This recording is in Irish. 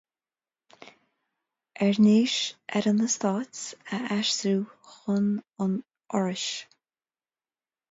Airnéis ar an Eastát a aistriú chun an Fhorais.